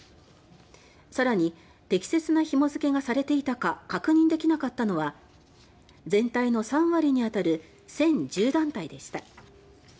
更に適切なひも付けがされていたか確認できなかったのは全体の３割に当たる１０１０団体でした。